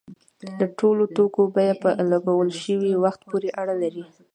د ټولو توکو بیه په لګول شوي وخت پورې اړه لري.